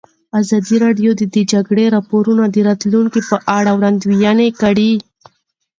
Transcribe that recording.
ازادي راډیو د د جګړې راپورونه د راتلونکې په اړه وړاندوینې کړې.